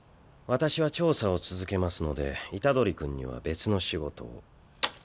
私は調査を続けますので虎杖君には別の仕事を。